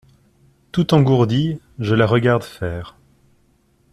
Tout engourdie, je la regarde faire.